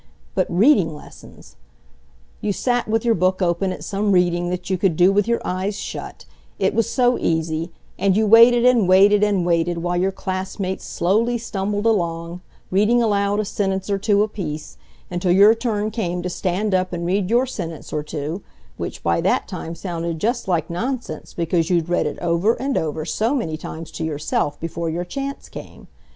But reading lessons...! You sat with your book open at some reading that you could do with your eyes shut, it was so easy, and you waited and waited and waited while your classmates slowly stumbled along, reading aloud a sentence or two apiece, until your turn came to stand up and read your sentence or two, which by that time sounded just like nonsense because you'd read it over and over so many times to yourself before your chance came.